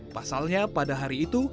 pasalnya pada hari itu